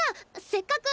せっかく。